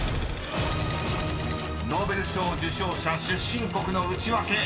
［ノーベル賞受賞者出身国のウチワケ］